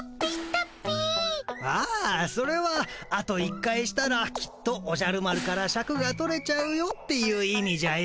ああそれは「あと一回したらきっとおじゃる丸からシャクが取れちゃうよ」っていう意味じゃよ。